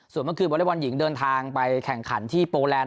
ส่วนเมื่อคืนบริวราษาวัลย์หญิงเดินทางไปแข่งขันที่โปรแลนด์